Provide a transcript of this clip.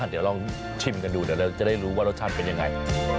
เดี๋ยวลองชิมกันดูเดี๋ยวเราจะได้รู้ว่ารสชาติเป็นยังไง